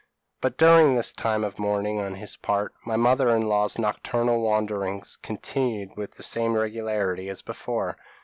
p> "But during this time of mourning on his part, my mother in law's nocturnal wanderings continued with the same regularity as before.